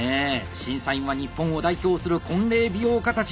審査員は日本を代表する婚礼美容家たち！